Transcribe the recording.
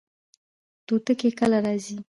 توتکۍ کله راځي؟